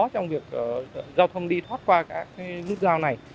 trong việc giao thông đi thoát qua các cái nút sao này